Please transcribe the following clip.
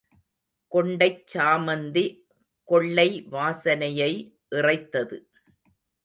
கொண்டைச் சாமந்தி கொள்ளை வாசனையை இறைத்தது.